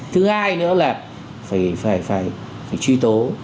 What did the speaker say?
thứ hai nữa là phải phải phải phải truy tố